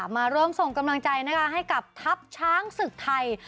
มาร่วมส่งกำลังใจนะคะให้กับทัพช้างศึกไทย